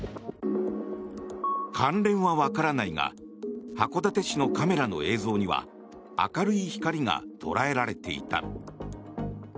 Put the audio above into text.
関連はわからないが函館市のカメラの映像には明るい光が捉えられていた。